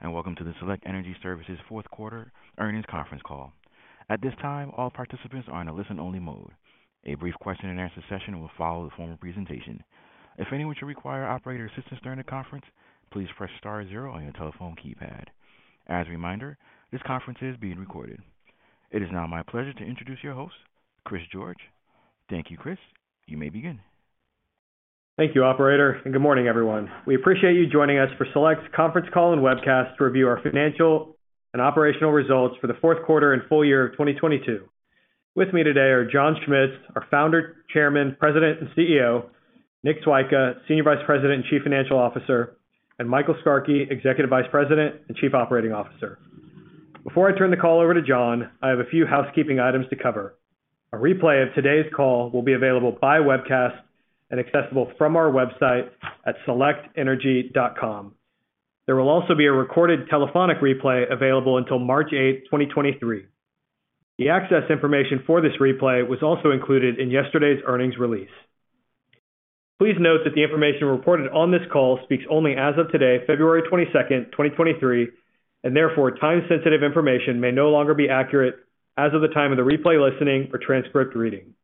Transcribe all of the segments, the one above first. Thanks. Welcome to the Select Water Solutions fourth quarter earnings conference call. At this time, all participants are in a listen-only mode. A brief question and answer session will follow the formal presentation. If anyone should require operator assistance during the conference, please press star zero on your telephone keypad. As a reminder, this conference is being recorded. It is now my pleasure to introduce your host, Chris George. Thank you, Chris. You may begin. Thank you, Operator. Good morning, everyone. We appreciate you joining us for Select's conference call and webcast to review our financial and operational results for the fourth quarter and full year of 2022. With me today are John Schmitz, our Founder, Chairman, President, and CEO, Nick Swyka, Senior Vice President and Chief Financial Officer, and Michael Skarke, Executive Vice President and Chief Operating Officer. Before I turn the call over to John, I have a few housekeeping items to cover. A replay of today's call will be available by webcast and accessible from our website at selectwater.com. There will also be a recorded telephonic replay available until March 8, 2023. The access information for this replay was also included in yesterday's earnings release. Please note that the information reported on this call speaks only as of today, February 22nd, 2023. Therefore, time-sensitive information may no longer be accurate as of the time of the replay listening or transcript reading.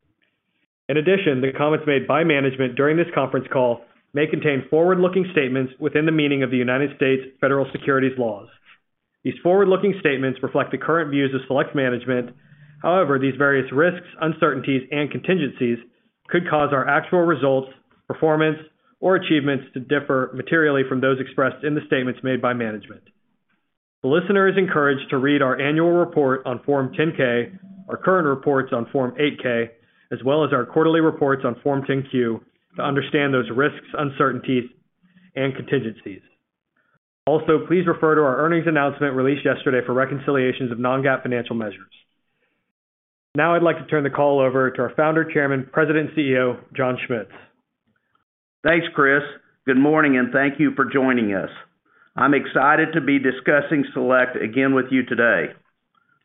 In addition, the comments made by management during this conference call may contain forward-looking statements within the meaning of the U.S. federal securities laws. These forward-looking statements reflect the current views of Select's management. However, these various risks, uncertainties, and contingencies could cause our actual results, performance, or achievements to differ materially from those expressed in the statements made by management. The listener is encouraged to read our annual report on Form 10-K, our current reports on Form 8-K, as well as our quarterly reports on Form 10-Q to understand those risks, uncertainties, and contingencies. Also, please refer to our earnings announcement released yesterday for reconciliations of non-GAAP financial measures. Now I'd like to turn the call over to our Founder, Chairman, President, and CEO, John Schmitz. Thanks, Chris George. Good morning, thank you for joining us. I'm excited to be discussing Select again with you today.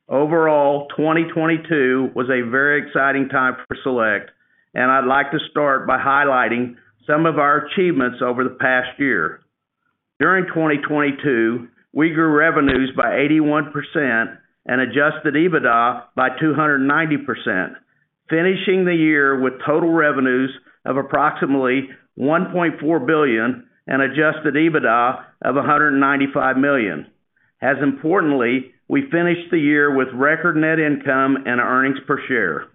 Overall, 2022 was a very exciting time for Select, and I'd like to start by highlighting some of our achievements over the past year. During 2022, we grew revenues by 81% and Adjusted EBITDA by 290%, finishing the year with total revenues of approximately $1.4 billion and Adjusted EBITDA of $195 million. As importantly, we finished the year with record net income and earnings per share.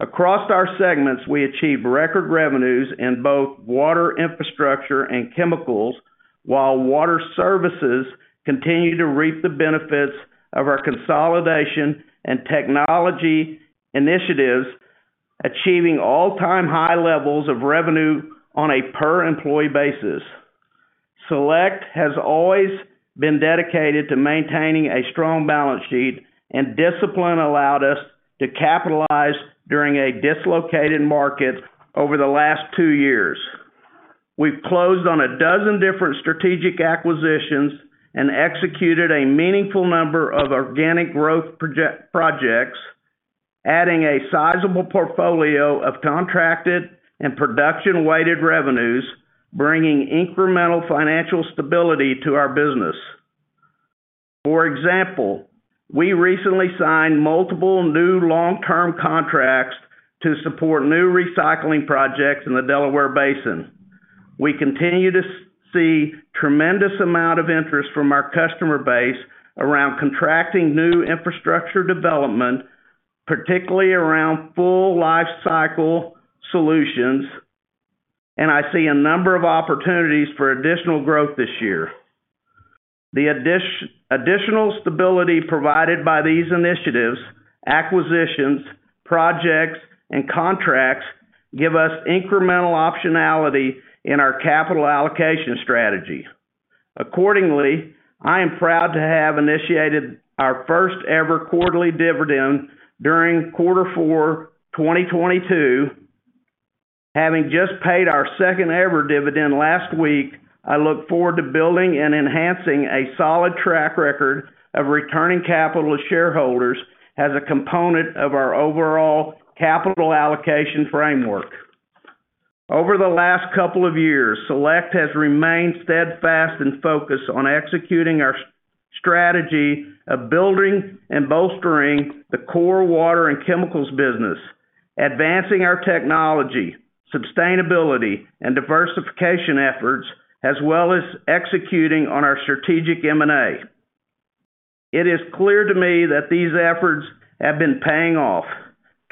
Across our segments, we achieved record revenues in both Water Infrastructure and chemicals, while Water Services continued to reap the benefits of our consolidation and technology initiatives, achieving all-time high levels of revenue on a per-employee basis. Select has always been dedicated to maintaining a strong balance sheet. Discipline allowed us to capitalize during a dislocated market over the last two years. We've closed on a dozen different strategic acquisitions and executed a meaningful number of organic growth projects, adding a sizable portfolio of contracted and production-weighted revenues, bringing incremental financial stability to our business. For example, we recently signed multiple new long-term contracts to support new recycling projects in the Delaware Basin. We continue to see tremendous amount of interest from our customer base around contracting new infrastructure development, particularly around full lifecycle solutions, and I see a number of opportunities for additional growth this year. The additional stability provided by these initiatives, acquisitions, projects, and contracts give us incremental optionality in our capital allocation strategy. Accordingly, I am proud to have initiated our first-ever quarterly dividend during quarter four 2022. Having just paid our second-ever dividend last week, I look forward to building and enhancing a solid track record of returning capital to shareholders as a component of our overall capital allocation framework. Over the last couple of years, Select has remained steadfast and focused on executing our strategy of building and bolstering the core water and chemicals business, advancing our technology, sustainability, and diversification efforts, as well as executing on our strategic M&A. It is clear to me that these efforts have been paying off.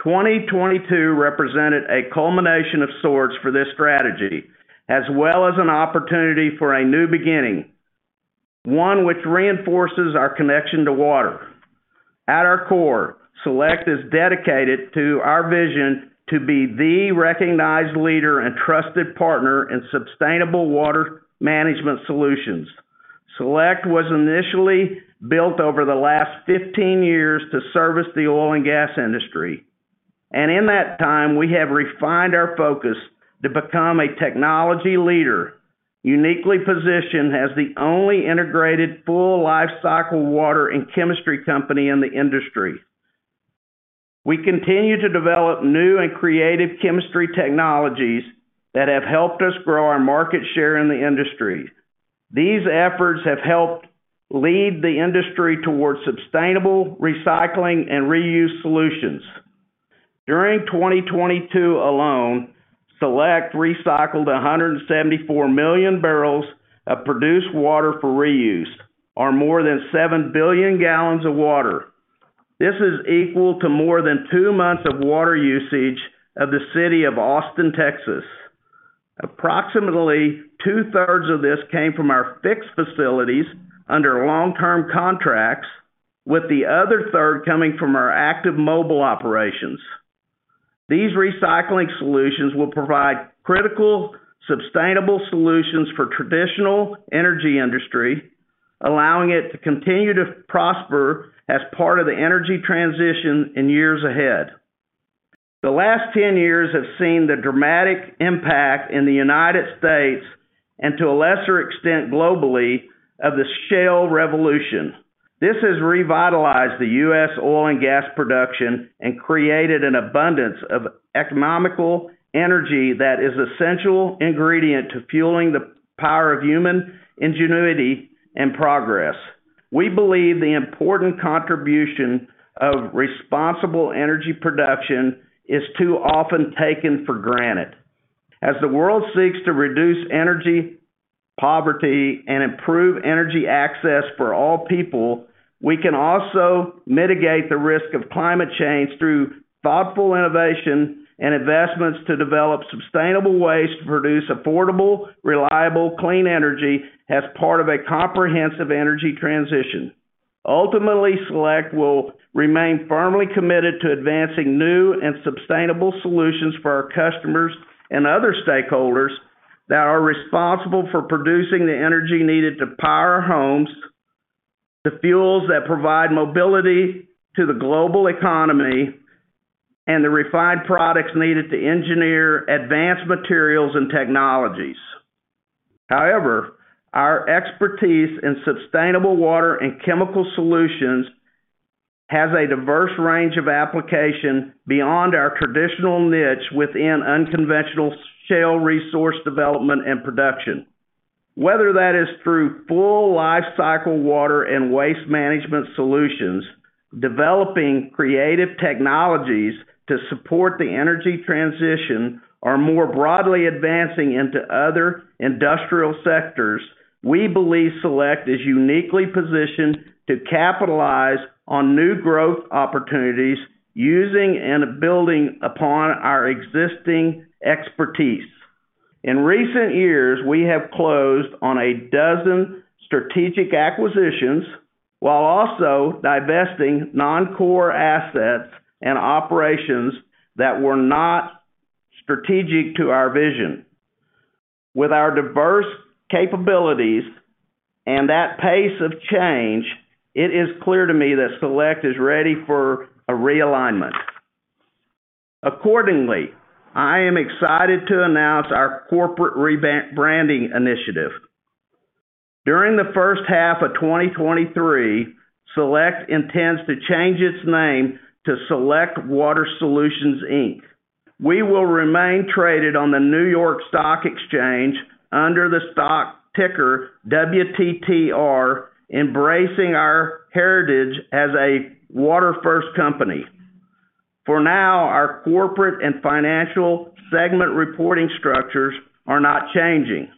2022 represented a culmination of sorts for this strategy, as well as an opportunity for a new beginning, one which reinforces our connection to water. At our core, Select is dedicated to our vision to be the recognized leader and trusted partner in sustainable water management solutions. Select was initially built over the last 15 years to service the oil and gas industry, and in that time, we have refined our focus to become a technology leader, uniquely positioned as the only integrated full lifecycle water and chemistry company in the industry. We continue to develop new and creative chemistry technologies that have helped us grow our market share in the industry. These efforts have helped lead the industry towards sustainable recycling and reuse solutions. During 2022 alone, Select recycled 174 million barrels of produced water for reuse, or more than 7 billion gallons of water. This is equal to more than two months of water usage of the city of Austin, Texas. Approximately two-thirds of this came from our fixed facilities under long-term contracts, with the other third coming from our active mobile operations. These recycling solutions will provide critical, sustainable solutions for traditional energy industry, allowing it to continue to prosper as part of the energy transition in years ahead. The last 10 years have seen the dramatic impact in the United States, and to a lesser extent globally, of the shale revolution. This has revitalized the U.S. oil and gas production and created an abundance of economical energy that is essential ingredient to fueling the power of human ingenuity and progress. We believe the important contribution of responsible energy production is too often taken for granted. As the world seeks to reduce energy poverty and improve energy access for all people, we can also mitigate the risk of climate change through thoughtful innovation and investments to develop sustainable ways to produce affordable, reliable, clean energy as part of a comprehensive energy transition. Ultimately, Select will remain firmly committed to advancing new and sustainable solutions for our customers and other stakeholders that are responsible for producing the energy needed to power our homes, the fuels that provide mobility to the global economy, and the refined products needed to engineer advanced materials and technologies. However, our expertise in sustainable water and chemical solutions has a diverse range of application beyond our traditional niche within unconventional shale resource development and production. Whether that is through full lifecycle water and waste management solutions, developing creative technologies to support the energy transition, or more broadly advancing into other industrial sectors, we believe Select is uniquely positioned to capitalize on new growth opportunities using and building upon our existing expertise. In recent years, we have closed on a dozen strategic acquisitions while also divesting non-core assets and operations that were not strategic to our vision. With our diverse capabilities and that pace of change, it is clear to me that Select is ready for a realignment. Accordingly, I am excited to announce our corporate rebranding initiative. During the first half of 2023, Select intends to change its name to Select Water Solutions Inc. We will remain traded on the New York Stock Exchange under the stock ticker WTTR, embracing our heritage as a water first company. For now, our corporate and financial segment reporting structures are not changing.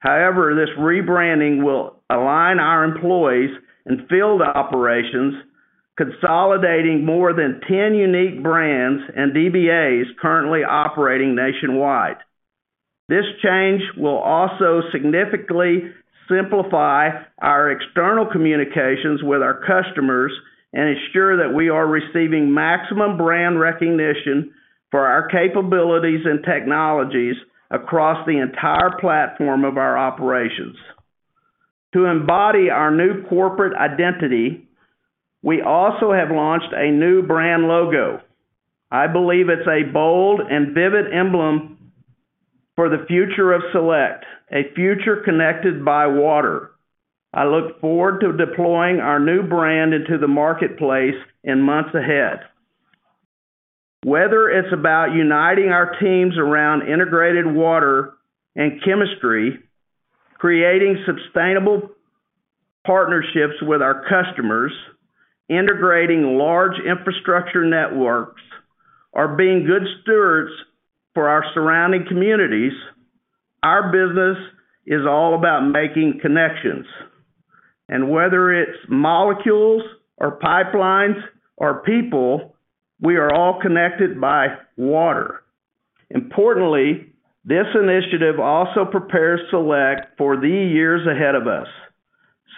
However, this rebranding will align our employees and field operations, consolidating more than 10 unique brands and DBA currently operating nationwide. This change will also significantly simplify our external communications with our customers and ensure that we are receiving maximum brand recognition for our capabilities and technologies across the entire platform of our operations. To embody our new corporate identity, we also have launched a new brand logo. I believe it's a bold and vivid emblem for the future of Select, a future connected by water. I look forward to deploying our new brand into the marketplace in months ahead. Whether it's about uniting our teams around integrated water and chemistry, creating sustainable partnerships with our customers, integrating large infrastructure networks, or being good stewards for our surrounding communities, our business is all about making connections. Whether it's molecules or pipelines or people, we are all connected by water. Importantly, this initiative also prepares Select for the years ahead of us.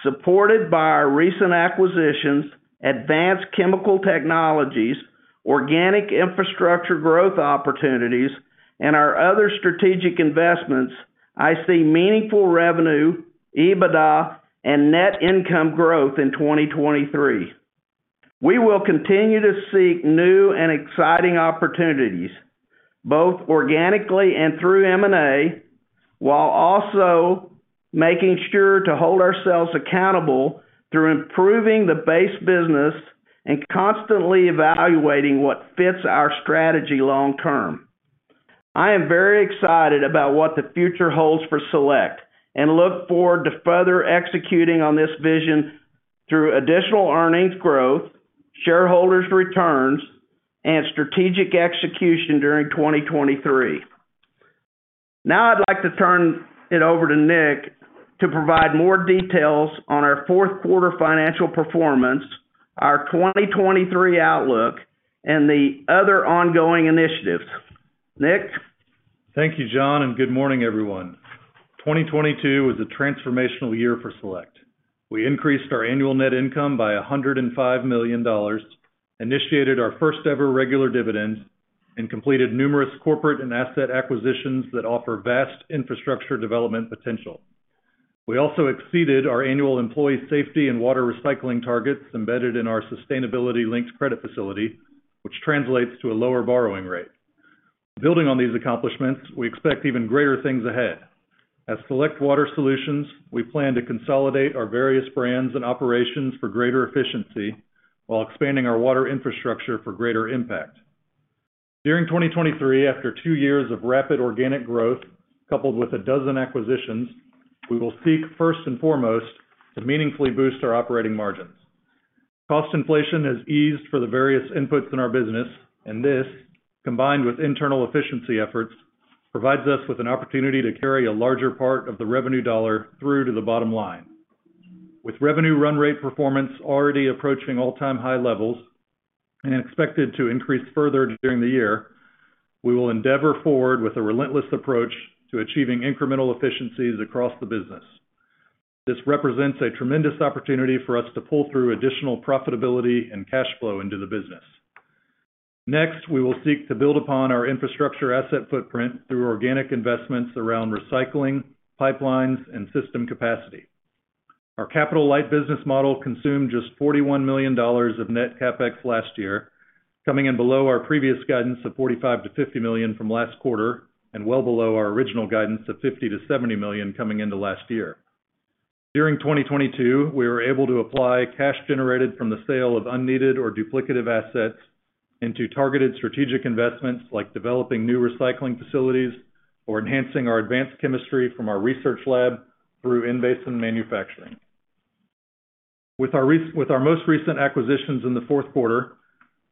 Supported by our recent acquisitions, advanced chemical technologies, organic infrastructure growth opportunities, and our other strategic investments, I see meaningful revenue, EBITDA and net income growth in 2023. We will continue to seek new and exciting opportunities, both organically and through M&A, while also making sure to hold ourselves accountable through improving the base business and constantly evaluating what fits our strategy long term. I am very excited about what the future holds for Select, and look forward to further executing on this vision through additional earnings growth, shareholders' returns, and strategic execution during 2023. Now I'd like to turn it over to Nick to provide more details on our fourth quarter financial performance, our 2023 outlook, and the other ongoing initiatives. Nick? Thank you, John. Good morning, everyone. 2022 was a transformational year for Select. We increased our annual net income by $105 million, initiated our first-ever regular dividend, and completed numerous corporate and asset acquisitions that offer vast infrastructure development potential. We also exceeded our annual employee safety and water recycling targets embedded in our sustainability-linked credit facility, which translates to a lower borrowing rate. Building on these accomplishments, we expect even greater things ahead. At Select Water Solutions, we plan to consolidate our various brands and operations for greater efficiency while expanding our Water Infrastructure for greater impact. During 2023, after two years of rapid organic growth, coupled with 12 acquisitions, we will seek first and foremost to meaningfully boost our operating margins. Cost inflation has eased for the various inputs in our business. This, combined with internal efficiency efforts, provides us with an opportunity to carry a larger part of the revenue dollar through to the bottom line. With revenue run rate performance already approaching all-time high levels and expected to increase further during the year, we will endeavor forward with a relentless approach to achieving incremental efficiencies across the business. This represents a tremendous opportunity for us to pull through additional profitability and cash flow into the business. Next, we will seek to build upon our infrastructure asset footprint through organic investments around recycling, pipelines, and system capacity. Our capital-light business model consumed just $41 million of net CapEx last year, coming in below our previous guidance of $45 million-$50 million from last quarter. Well below our original guidance of $50 million-$70 million coming into last year. During 2022, we were able to apply cash generated from the sale of unneeded or duplicative assets into targeted strategic investments, like developing new recycling facilities or enhancing our advanced chemistry from our research lab through in-basin manufacturing. With our most recent acquisitions in the fourth quarter,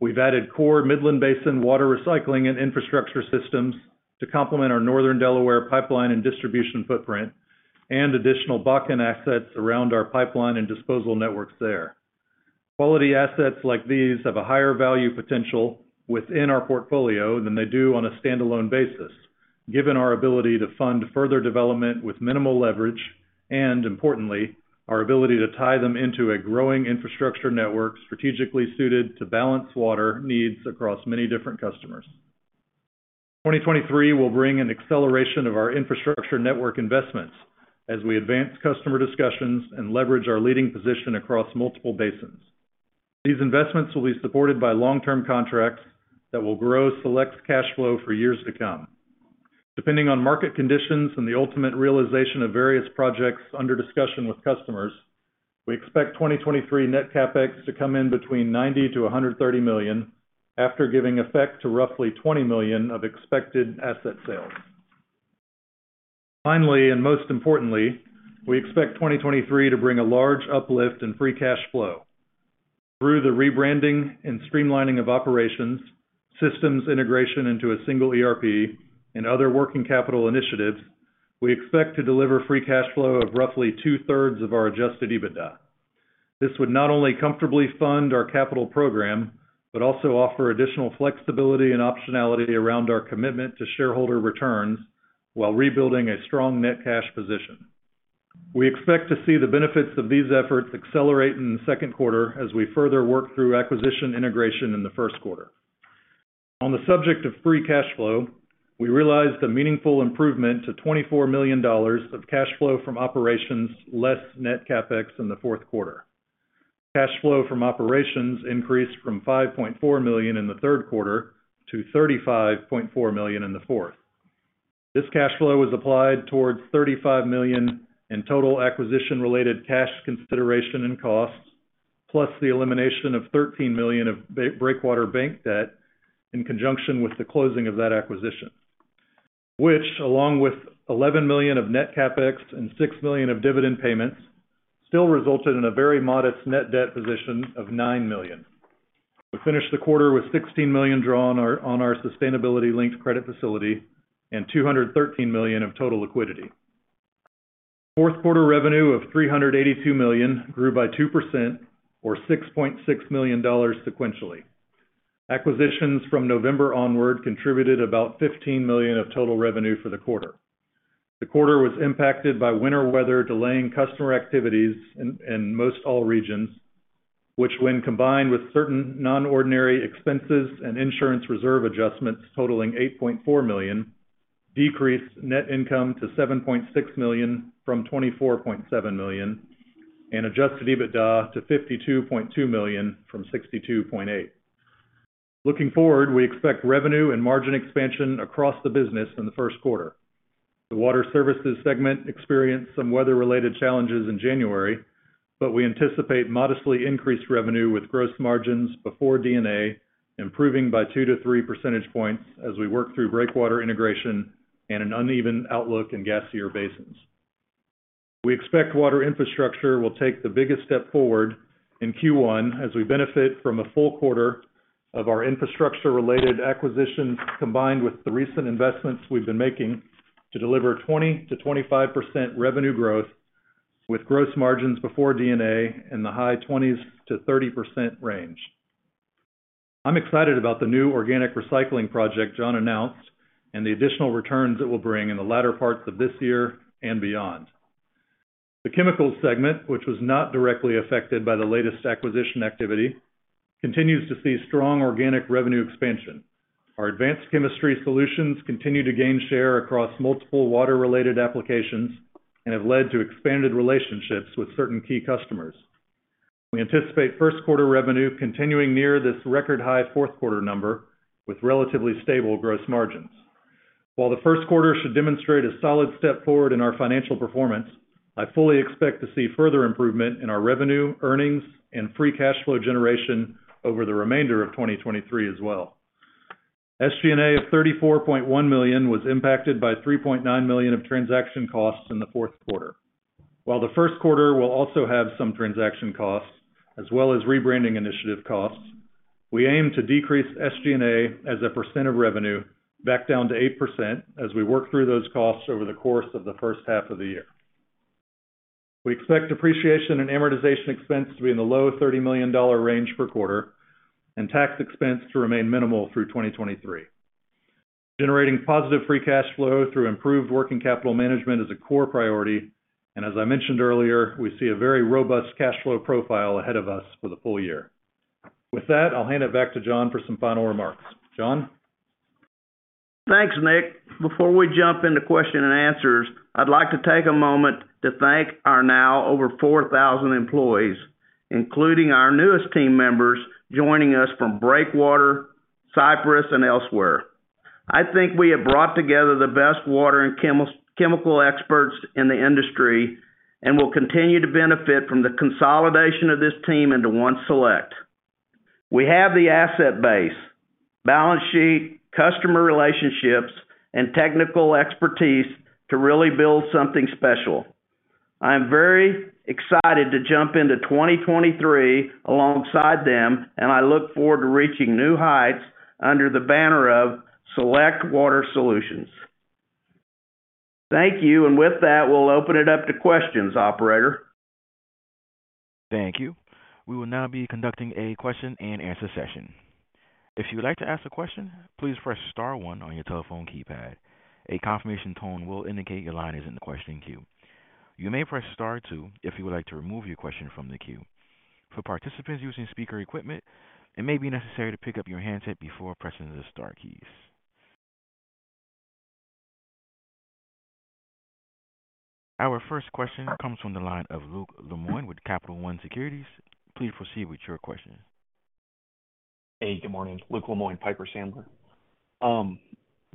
we've added core Midland Basin water recycling and infrastructure systems to complement our northern Delaware pipeline and distribution footprint and additional Bakken assets around our pipeline and disposal networks there. Quality assets like these have a higher value potential within our portfolio than they do on a standalone basis, given our ability to fund further development with minimal leverage, and importantly, our ability to tie them into a growing infrastructure network strategically suited to balance water needs across many different customers. 2023 will bring an acceleration of our infrastructure network investments as we advance customer discussions and leverage our leading position across multiple basins. These investments will be supported by long-term contracts that will grow Select's cash flow for years to come. Depending on market conditions and the ultimate realization of various projects under discussion with customers, we expect 2023 net CapEx to come in between $90 million-$130 million after giving effect to roughly $20 million of expected asset sales. Finally, and most importantly, we expect 2023 to bring a large uplift in free cash flow. Through the rebranding and streamlining of operations, systems integration into a single ERP, and other working capital initiatives, we expect to deliver free cash flow of roughly two-thirds of our Adjusted EBITDA. This would not only comfortably fund our capital program, but also offer additional flexibility and optionality around our commitment to shareholder returns while rebuilding a strong net cash position. We expect to see the benefits of these efforts accelerate in the second quarter as we further work through acquisition integration in the first quarter. On the subject of free cash flow, we realized a meaningful improvement to $24 million of cash flow from operations less net CapEx in the fourth quarter. Cash flow from operations increased from $5.4 million in the third quarter to $35.4 million in the fourth. This cash flow was applied towards $35 million in total acquisition-related cash consideration and costs, plus the elimination of $13 million of Breakwater bank debt in conjunction with the closing of that acquisition, which along with $11 million of net CapEx and $6 million of dividend payments, still resulted in a very modest net debt position of $9 million. We finished the quarter with $16 million drawn on our sustainability-linked credit facility and $213 million of total liquidity. Fourth quarter revenue of $382 million grew by 2% or $6.6 million sequentially. Acquisitions from November onward contributed about $15 million of total revenue for the quarter. The quarter was impacted by winter weather delaying customer activities in most all regions, which when combined with certain non-ordinary expenses and insurance reserve adjustments totaling $8.4 million, decreased net income to $7.6 million from $24.7 million, and Adjusted EBITDA to $52.2 million from $62.8 million. Looking forward, we expect revenue and margin expansion across the business in the first quarter. The Water Services segment experienced some weather-related challenges in January, but we anticipate modestly increased revenue with gross margins before D&A improving by 2 to 3 percentage points as we work through Breakwater integration and an uneven outlook in gassier basins. We expect Water Infrastructure will take the biggest step forward in Q1 as we benefit from a full quarter of our infrastructure-related acquisitions, combined with the recent investments we've been making to deliver 20%-25% revenue growth with gross margins before D&A in the high 20s to 30% range. I'm excited about the new organic recycling project John announced and the additional returns it will bring in the latter parts of this year and beyond. The chemicals segment, which was not directly affected by the latest acquisition activity, continues to see strong organic revenue expansion. Our advanced chemistry solutions continue to gain share across multiple water-related applications and have led to expanded relationships with certain key customers. We anticipate first quarter revenue continuing near this record high fourth quarter number with relatively stable gross margins. While the first quarter should demonstrate a solid step forward in our financial performance, I fully expect to see further improvement in our revenue, earnings, and free cash flow generation over the remainder of 2023 as well. SG&A of $34.1 million was impacted by $3.9 million of transaction costs in the fourth quarter. While the first quarter will also have some transaction costs as well as rebranding initiative costs, we aim to decrease SG&A as a percent of revenue back down to 8% as we work through those costs over the course of the first half of the year. We expect depreciation and amortization expense to be in the low $30 million range per quarter and tax expense to remain minimal through 2023. Generating positive free cash flow through improved working capital management is a core priority, and as I mentioned earlier, we see a very robust cash flow profile ahead of us for the full year. With that, I'll hand it back to John for some final remarks. John? Thanks, Nick. Before we jump into question and answers, I'd like to take a moment to thank our now over 4,000 employees, including our newest team members joining us from Breakwater, Cypress, and elsewhere. I think we have brought together the best water and chemical experts in the industry and will continue to benefit from the consolidation of this team into one Select. We have the asset base, balance sheet, customer relationships, and technical expertise to really build something special. I am very excited to jump into 2023 alongside them, and I look forward to reaching new heights under the banner of Select Water Solutions. Thank you. With that, we'll open it up to questions, operator. Thank you. We will now be conducting a question and answer session. If you would like to ask a question, please press star one on your telephone keypad. A confirmation tone will indicate your line is in the question queue. You may press star two if you would like to remove your question from the queue. For participants using speaker equipment, it may be necessary to pick up your handset before pressing the star keys. Our first question comes from the line of Luke Lemoine with Capital One Securities. Please proceed with your question. Hey, good morning. Luke Lemoine, Piper Sandler.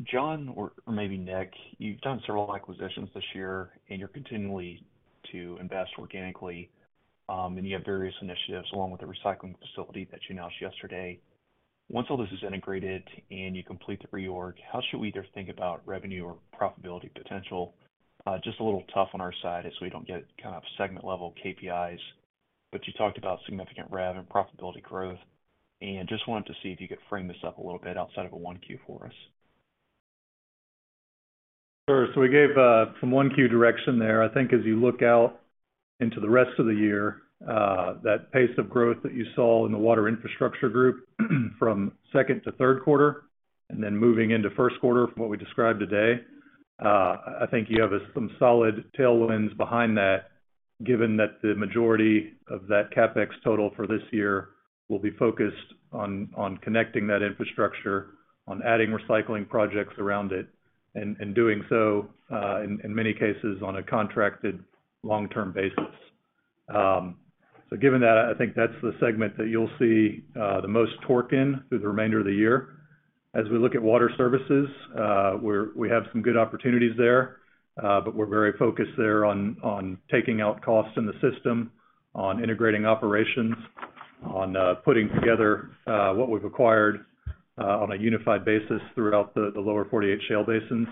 John, or maybe Nick, you've done several acquisitions this year, and you're continually to invest organically, and you have various initiatives along with the recycling facility that you announced yesterday. Once all this is integrated and you complete the reorg, how should we either think about revenue or profitability potential? Just a little tough on our side as we don't get kind of segment-level KPIs, but you talked about significant rev and profitability growth. Just wanted to see if you could frame this up a little bit outside of a 1Q for us. Sure. We gave some 1Q direction there. I think as you look out into the rest of the year, that pace of growth that you saw in the Water Infrastructure group from second quarter to third quarter, and then moving into first quarter from what we described today, I think you have some solid tailwinds behind that, given that the majority of that CapEx total for this year will be focused on connecting that infrastructure, on adding recycling projects around it, and doing so, in many cases, on a contracted long-term basis. Given that, I think that's the segment that you'll see the most torque in through the remainder of the year. We look at Water Services, we have some good opportunities there, but we're very focused there on taking out costs in the system, on integrating operations, on putting together what we've acquired on a unified basis throughout the lower 48 shale basins.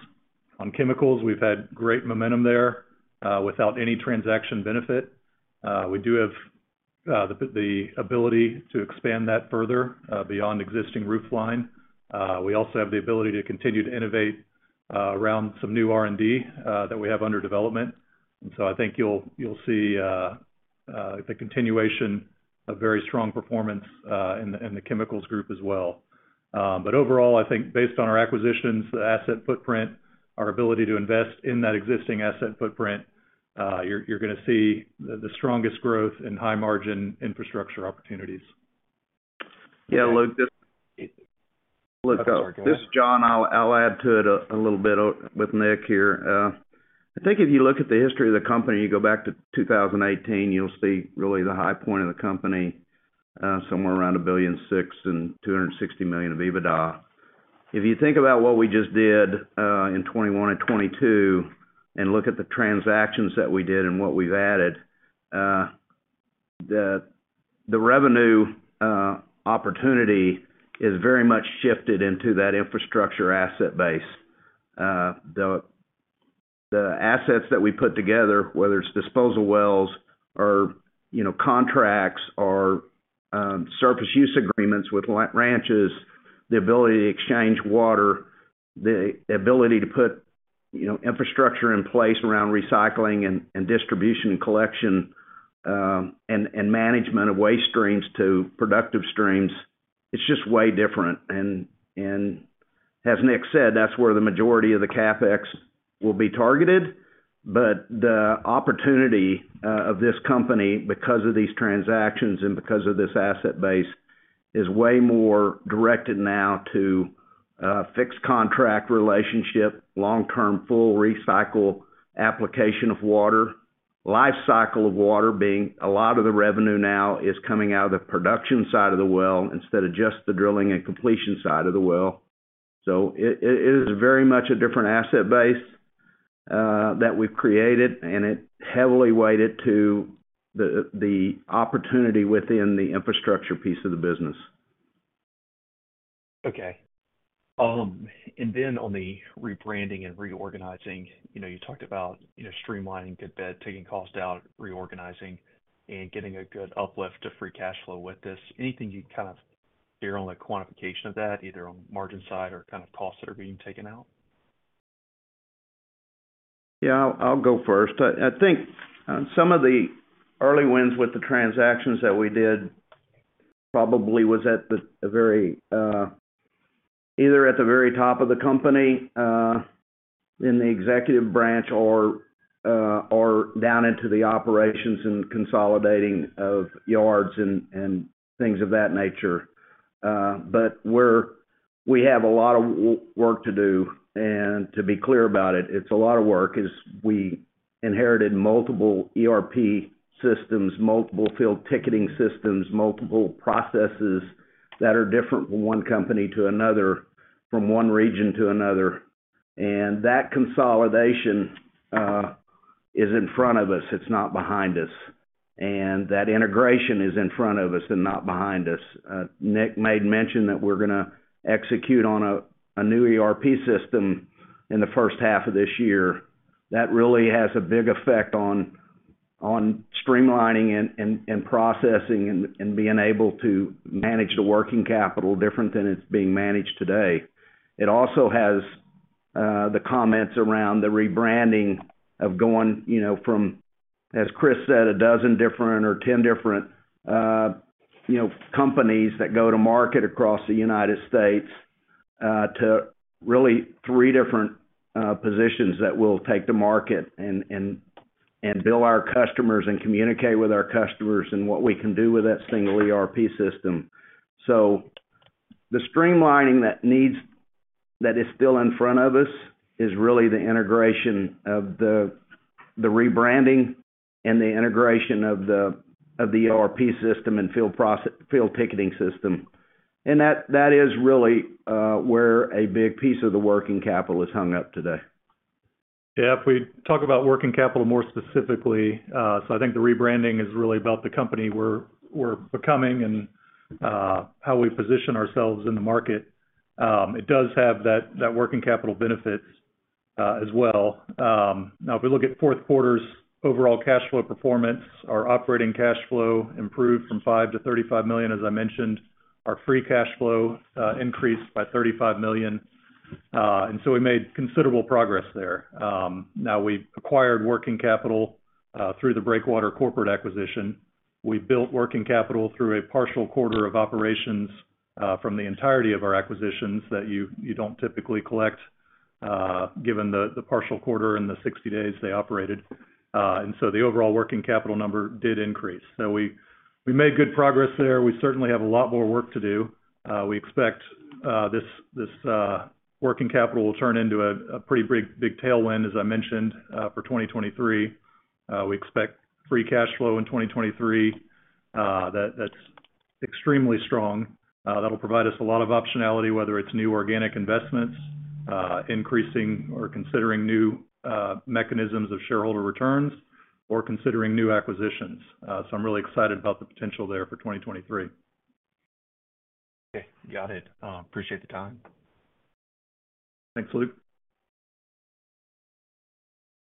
Chemicals, we've had great momentum there without any transaction benefit. We do have the ability to expand that further beyond existing roofline. We also have the ability to continue to innovate around some new R&D that we have under development. I think you'll see the continuation of very strong performance in the chemicals group as well. Overall, I think based on our acquisitions, the asset footprint, our ability to invest in that existing asset footprint, you're gonna see the strongest growth in high-margin infrastructure opportunities. Yeah, Luke. I'm sorry, go ahead. Luke, this is John. I'll add to it a little bit, with Nick here. I think if you look at the history of the company, you go back to 2018, you'll see really the high point of the company, somewhere around $1.6 billion and $260 million of EBITDA. If you think about what we just did, in 2021 and 2022 and look at the transactions that we did and what we've added, the revenue opportunity is very much shifted into that infrastructure asset base. The assets that we put together, whether it's disposal wells or, you know, contracts or surface use agreements with ranches, the ability to exchange water, the ability to put, you know, infrastructure in place around recycling and distribution and collection, and management of waste streams to productive streams, it's just way different. As Nick said, that's where the majority of the CapEx will be targeted. The opportunity of this company because of these transactions and because of this asset base is way more directed now to a fixed contract relationship, long-term full recycle application of water. Life cycle of water being a lot of the revenue now is coming out of the production side of the well instead of just the drilling and completion side of the well. It is very much a different asset base that we've created, and it heavily weighted to the opportunity within the infrastructure piece of the business. Okay. On the rebranding and reorganizing, you know, you talked about, you know, streamlining good bed, taking cost out, reorganizing, and getting a good uplift to free cash flow with this. Anything you kind of hear on the quantification of that, either on margin side or kind of costs that are being taken out? Yeah, I will go first. I think some of the early wins with the transactions that we did probably was either at the very top of the company, in the executive branch, or down into the operations and consolidating of yards and things of that nature. But we have a lot of work to do. To be clear about it's a lot of work as we inherited multiple ERP systems, multiple field ticketing systems, multiple processes that are different from one company to another, from one region to another. That consolidation is in front of us. It's not behind us. That integration is in front of us and not behind us. Nick made mention that we're going to execute on a new ERP system in the first half of this year. That really has a big effect on streamlining and processing and being able to manage the working capital different than it's being managed today. It also has the comments around the rebranding of going, you know, from, as Chris said, a dozen different or 10 different, you know, companies that go to market across the United States, to really three different positions that we'll take to market and build our customers and communicate with our customers and what we can do with that single ERP system. The streamlining that is still in front of us is really the integration of the rebranding and the integration of the ERP system and field ticketing system. That is really where a big piece of the working capital is hung up today. If we talk about working capital more specifically, I think the rebranding is really about the company we're becoming and how we position ourselves in the market. It does have that working capital benefits as well. Now if we look at fourth quarter's overall cash flow performance, our operating cash flow improved from $5 million-$35 million. As I mentioned, our free cash flow increased by $35 million. We made considerable progress there. Now we've acquired working capital through the Breakwater corporate acquisition. We built working capital through a partial quarter of operations from the entirety of our acquisitions that you don't typically collect given the partial quarter and the 60 days they operated. The overall working capital number did increase. We made good progress there. We certainly have a lot more work to do. We expect this working capital will turn into a pretty big tailwind, as I mentioned, for 2023. We expect free cash flow in 2023, that's extremely strong. That'll provide us a lot of optionality, whether it's new organic investments, increasing or considering new mechanisms of shareholder returns or considering new acquisitions. I'm really excited about the potential there for 2023. Okay. Got it. Appreciate the time. Thanks, Luke.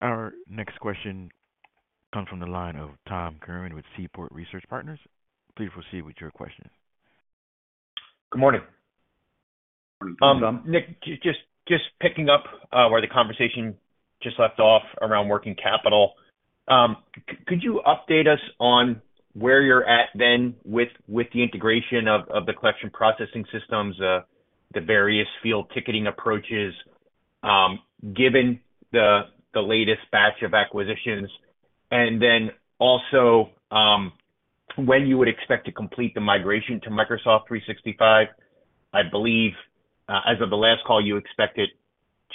Our next question comes from the line of Tom Curran with Seaport Research Partners. Please proceed with your questions. Good morning. Morning, Tom. Nick, just picking up where the conversation just left off around working capital. Could you update us on where you're at then with the integration of the collection processing systems, the various field ticketing approaches? Given the latest batch of acquisitions, and then also, when you would expect to complete the migration to Microsoft 365. I believe, as of the last call, you expected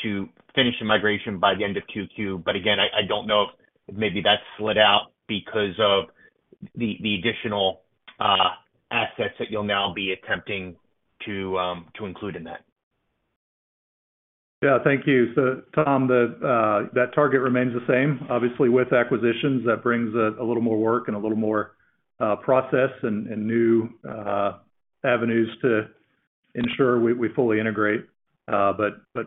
to finish the migration by the end of Q2. Again, I don't know if maybe that slid out because of the additional assets that you'll now be attempting to include in that. Yeah. Thank you. Tom, that target remains the same. Obviously, with acquisitions, that brings a little more work and a little more process and new avenues to ensure we fully integrate.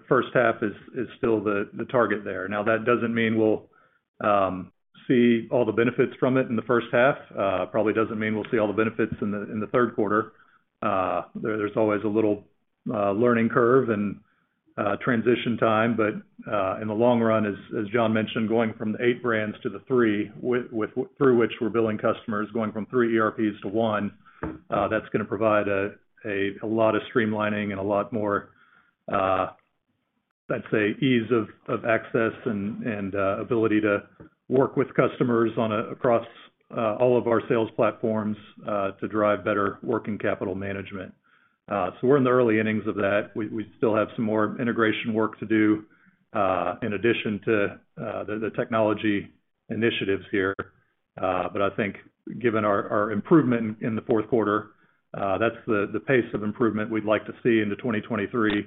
First half is still the target there. Now, that doesn't mean we'll see all the benefits from it in the first half. Probably doesn't mean we'll see all the benefits in the third quarter. There's always a little learning curve and transition time. In the long run, as John mentioned, going from the eight brands to the three through which we're billing customers, going from three ERPs to one, that's gonna provide a lot of streamlining and a lot more, I'd say, ease of access and ability to work with customers across all of our sales platforms to drive better working capital management. We're in the early innings of that. We still have some more integration work to do in addition to the technology initiatives here. I think given our improvement in the fourth quarter, that's the pace of improvement we'd like to see into 2023,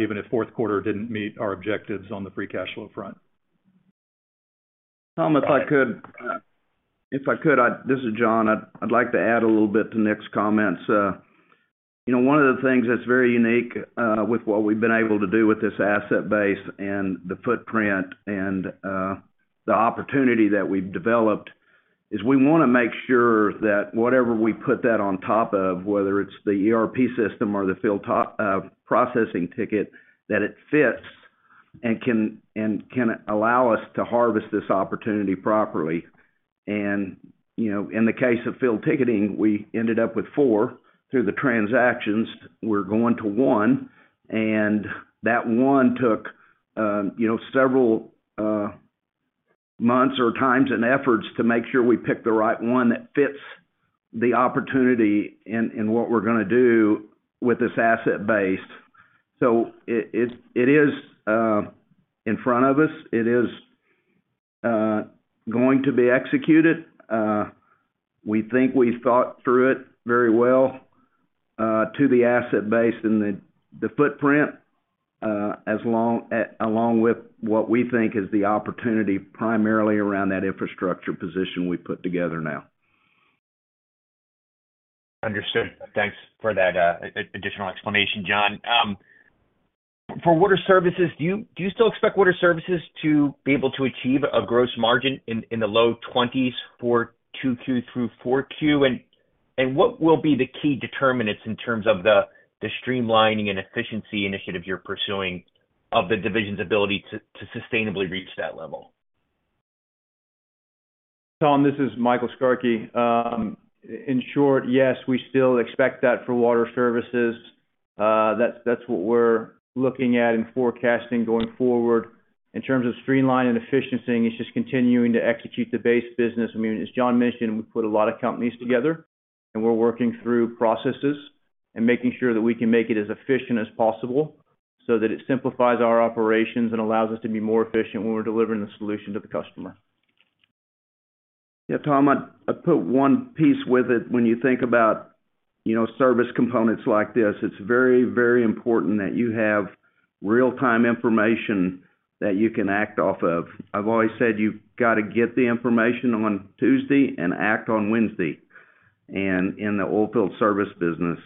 even if fourth quarter didn't meet our objectives on the free cash flow front. Tom, if I could, this is John. I'd like to add a little bit to Nick's comments. You know, one of the things that's very unique with what we've been able to do with this asset base and the footprint and the opportunity that we've developed is we wanna make sure that whatever we put that on top of, whether it's the ERP system or the field top processing ticket, that it fits and can allow us to harvest this opportunity properly. You know, in the case of field ticketing, we ended up with four through the transactions. We're going to one, and that one took, you know, several months or times and efforts to make sure we pick the right one that fits the opportunity in what we're gonna do with this asset base. It is in front of us. It is going to be executed. We think we thought through it very well to the asset base and the footprint along with what we think is the opportunity primarily around that infrastructure position we put together now. Understood. Thanks for that additional explanation, John. For Water Services, do you still expect Water Services to be able to achieve a gross margin in the low 20s for 2Q through 4Q? What will be the key determinants in terms of the streamlining and efficiency initiative you're pursuing of the division's ability to sustainably reach that level? Tom, this is Michael Skarke. In short, yes, we still expect that for Water Services. That's what we're looking at in forecasting going forward. In terms of streamline and efficiency, it's just continuing to execute the base business. I mean, as John mentioned, we put a lot of companies together, and we're working through processes and making sure that we can make it as efficient as possible so that it simplifies our operations and allows us to be more efficient when we're delivering the solution to the customer. Yeah, Tom, I'd put one piece with it. When you think about, you know, service components like this, it's very, very important that you have real-time information that you can act off of. I've always said you've got to get the information on Tuesday and act on Wednesday. In the oil field service business,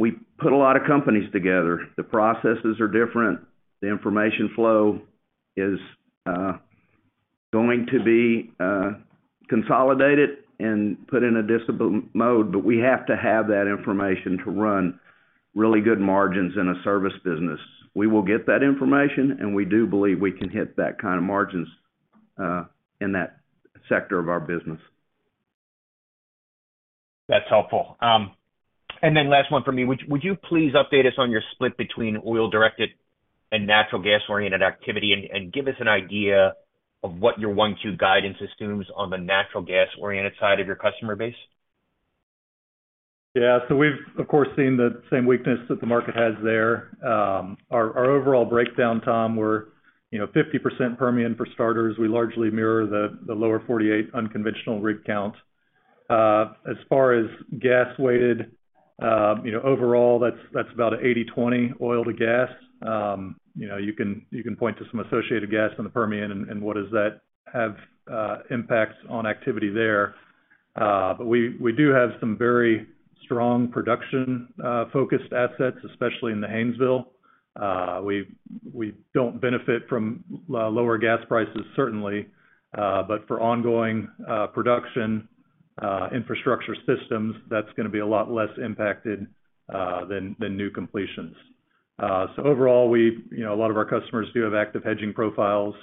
we put a lot of companies together. The processes are different. The information flow is going to be consolidated and put in a discipline mode, but we have to have that information to run really good margins in a service business. We will get that information, and we do believe we can hit that kind of margins in that sector of our business. That's helpful. Last one for me. Would you please update us on your split between oil-directed and natural gas-oriented activity and give us an idea of what your one, two guidance assumes on the natural gas-oriented side of your customer base? We've, of course, seen the same weakness that the market has there. Our overall breakdown, Tom, we're, you know, 50% Permian for starters. We largely mirror the lower 48 unconventional rig count. As far as gas weighted, you know, overall that's about 80/20 oil to gas. You know, you can point to some associated gas in the Permian and what does that have impacts on activity there. But we do have some very strong production focused assets, especially in the Haynesville. We don't benefit from lower gas prices, certainly. But for ongoing production infrastructure systems, that's gonna be a lot less impacted than new completions. you know, a lot of our customers do have active hedging profiles.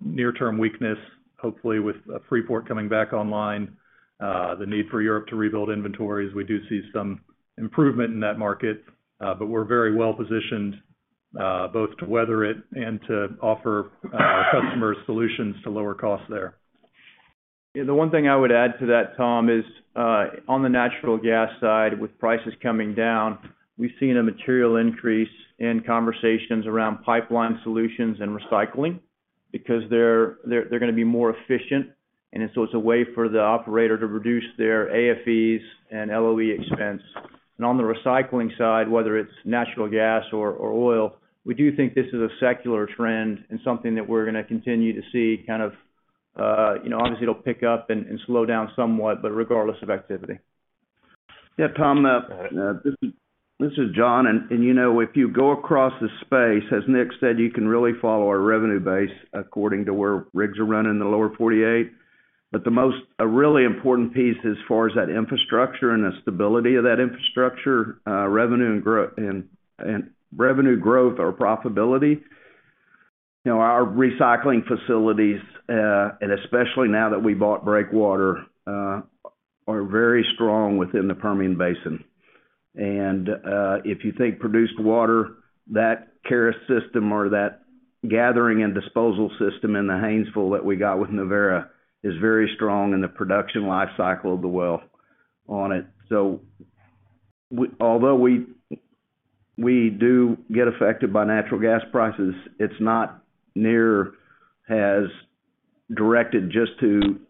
Near-term weakness, hopefully with Freeport coming back online, the need for Europe to rebuild inventories. We do see some improvement in that market, but we're very well-positioned, both to weather it and to offer customer solutions to lower costs there. Yeah. The one thing I would add to that, Tom, is on the natural gas side, with prices coming down, we've seen a material increase in conversations around pipeline solutions and recycling because they're gonna be more efficient, and so it's a way for the operator to reduce their AFE and LOE expense. On the recycling side, whether it's natural gas or oil, we do think this is a secular trend and something that we're gonna continue to see kind of, you know, obviously it'll pick up and slow down somewhat, but regardless of activity. Yeah, Tom, this is John. You know, if you go across the space, as Nick said, you can really follow our revenue base according to where rigs are running in the lower 48. The most really important piece as far as that infrastructure and the stability of that infrastructure, revenue and revenue growth or profitability, you know, our recycling facilities, and especially now that we bought Breakwater, are very strong within the Permian Basin. If you think produced water, that Keros system or that gathering and disposal system in the Haynesville that we got with Nuverra is very strong in the production life cycle of the well on it. Although we do get affected by natural gas prices, it's not near as directed just to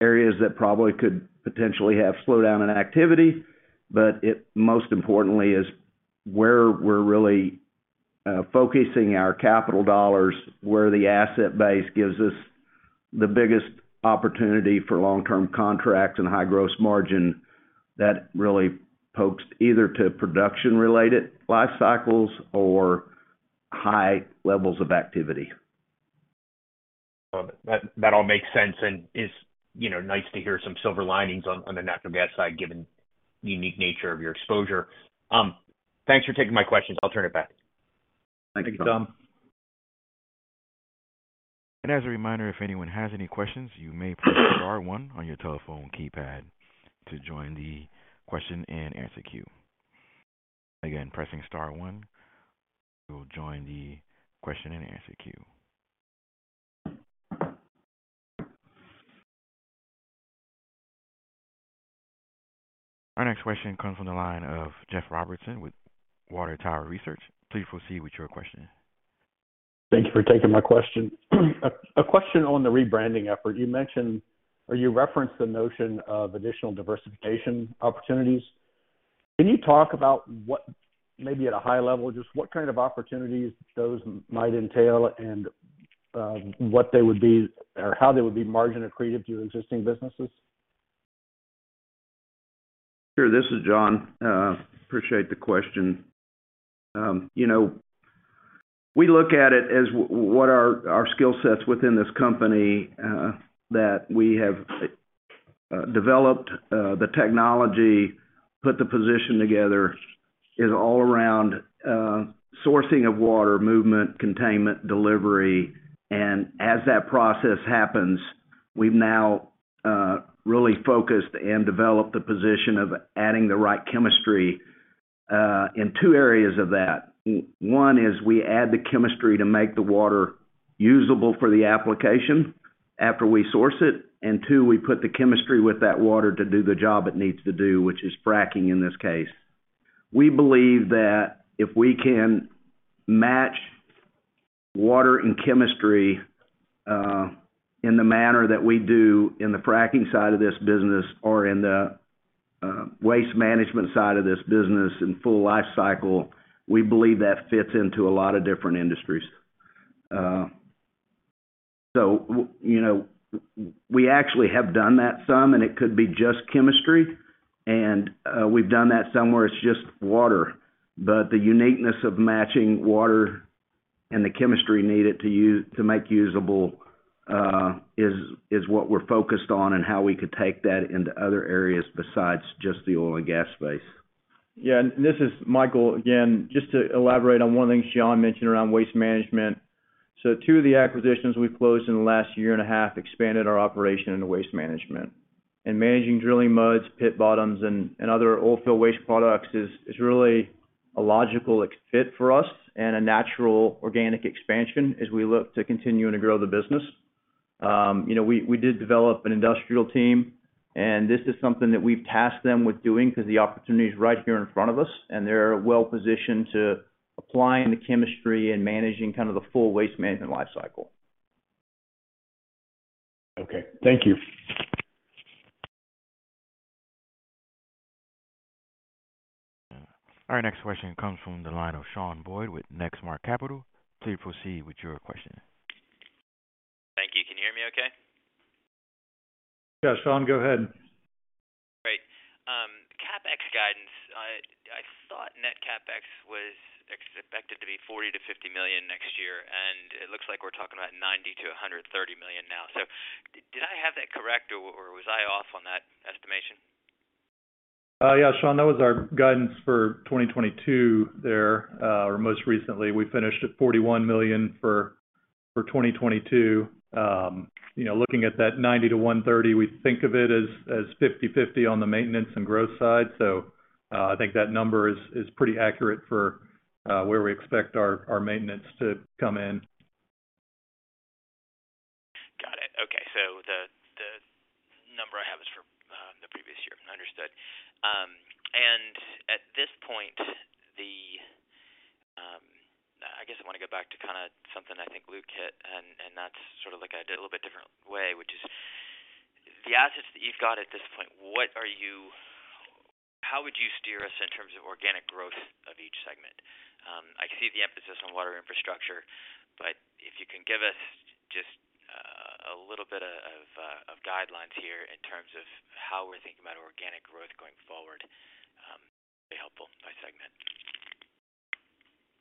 areas that probably could potentially have slowdown in activity, but it most importantly is where we're really focusing our capital dollars, where the asset base gives us the biggest opportunity for long-term contract and high gross margin that really pokes either to production-related life cycles or high levels of activity. That all makes sense, and it's, you know, nice to hear some silver linings on the natural gas side, given the unique nature of your exposure. Thanks for taking my questions. I'll turn it back. Thank you, Tom. Thanks. As a reminder, if anyone has any questions, you may press star one on your telephone keypad to join the question and answer queue. Again, pressing star one will join the question and answer queue. Our next question comes from the line of Jeff Robertson with Water Tower Research. Please proceed with your question. Thank you for taking my question. A question on the rebranding effort. You mentioned or you referenced the notion of additional diversification opportunities. Can you talk about what, maybe at a high level, just what kind of opportunities those might entail and what they would be or how they would be margin accretive to your existing businesses? Sure. This is John. Appreciate the question. you know, we look at it as what are our skill sets within this company, that we have developed the technology, put the position together, is all around sourcing of water, movement, containment, delivery. As that process happens, we've now really focused and developed the position of adding the right chemistry in two areas of that. one is we add the chemistry to make the water usable for the application after we source it. Two, we put the chemistry with that water to do the job it needs to do, which is fracking in this case. We believe that if we can match water and chemistry, in the manner that we do in the fracking side of this business or in the waste management side of this business in full lifecycle, we believe that fits into a lot of different industries. You know, we actually have done that some, and it could be just chemistry, and we've done that some where it's just water. The uniqueness of matching water and the chemistry needed to make usable, is what we're focused on and how we could take that into other areas besides just the oil and gas space. Yeah. This is Michael again. Just to elaborate on one thing John mentioned around waste management. Two of the acquisitions we've closed in the last year and a half expanded our operation into waste management. Managing drilling muds, pit bottoms, and other oil field waste products is really a logical fit for us and a natural organic expansion as we look to continue to grow the business. You know, we did develop an industrial team. This is something that we've tasked them with doing because the opportunity is right here in front of us, and they're well positioned to applying the chemistry and managing kind of the full waste management life cycle. Okay. Thank you. Our next question comes from the line of Shawn Boyd with Next Mark Capital. Please proceed with your question. Thank you. Can you hear me okay? Yeah. Sean, go ahead. Great. CapEx guidance. I thought net CapEx was expected to be $40 million-$50 million next year, and it looks like we're talking about $90 million-$130 million now. Did I have that correct or was I off on that estimation? Yeah, Sean, that was our guidance for 2022 there. Most recently, we finished at $41 million for 2022. You know, looking at that $90 million-$130 million, we think of it as 50/50 on the maintenance and growth side. I think that number is pretty accurate for where we expect our maintenance to come in. Got it. Okay. The, the number I have is for the previous year. Understood. At this point, I guess I want to go back to kind of something I think Luke hit, and that's sort of like I did a little bit different way, which is the assets that you've got at this point. How would you steer us in terms of organic growth of each segment? I see the emphasis on Water Infrastructure, if you can give us just a little of guidelines here in terms of how we're thinking about organic growth going forward, that'd be helpful by segment.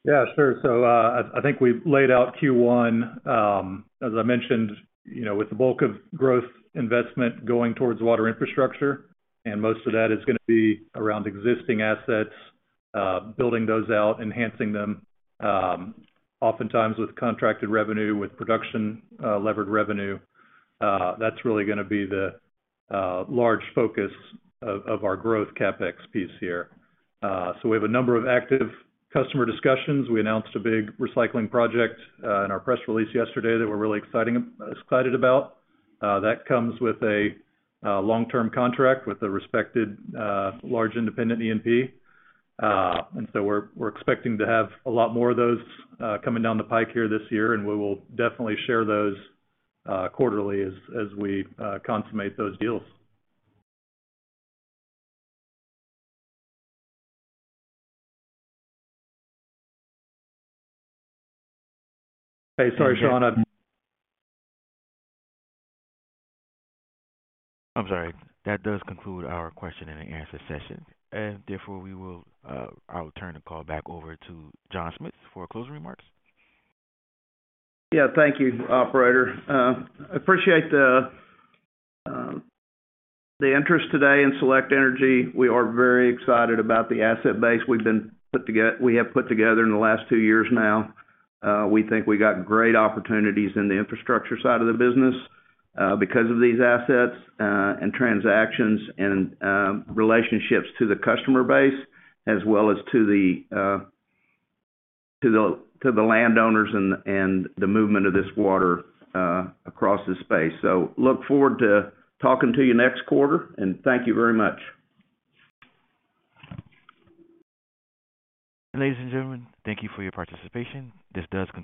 Yeah, sure. I think we've laid out Q1, as I mentioned, you know, with the bulk of growth investment going towards water infrastructure, and most of that is gonna be around existing assets, building those out, enhancing them, oftentimes with contracted revenue, with production, levered revenue. That's really gonna be the large focus of our growth CapEx piece here. We have a number of active customer discussions. We announced a big recycling project in our press release yesterday that we're really excited about. That comes with a long-term contract with a respected, large independent E&P. We're expecting to have a lot more of those coming down the pike here this year, and we will definitely share those quarterly as we consummate those deals. Hey, sorry, Sean. I'm sorry. That does conclude our question and answer session. Therefore, I'll turn the call back over to John Schmitz for closing remarks. Yeah. Thank you, operator. appreciate the interest today in Select Water Solutions. We are very excited about the asset base we have put together in the last two years now. We think we got great opportunities in the infrastructure side of the business, because of these assets, and transactions and relationships to the customer base, as well as to the, to the, to the landowners and the movement of this water, across the space. Look forward to talking to you next quarter, and thank you very much. Ladies and gentlemen, thank you for your participation. This does.